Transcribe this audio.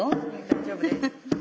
大丈夫です。